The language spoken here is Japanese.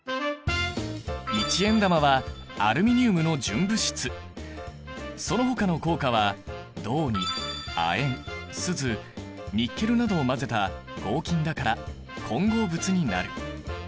一円玉はそのほかの硬貨は銅に亜鉛スズニッケルなどを混ぜた合金だから混合物になる。